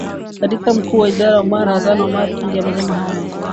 Katibu Mkuu wa Wizara hiyo Omar Hassan Omar Kingi amesema hayo